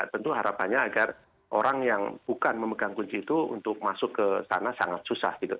tentu harapannya agar orang yang bukan memegang kunci itu untuk masuk ke sana sangat susah gitu